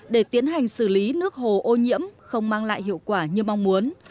để tiến hành xử lý nước hồ ô nhiễm không mang lại hiệu quả như mong muốn